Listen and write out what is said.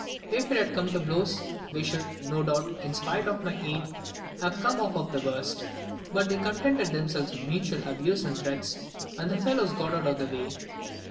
If it had come to blows, we should, no doubt, in spite of my aid, have come off the worst; but they contented themselves with mutual abuse and threats, and the fellows got out of the way.